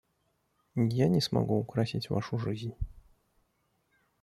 Я не смогу украсить Вашу жизнь.